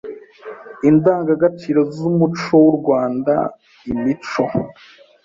Indangagaciro z’umuco w’u Rwanda Imico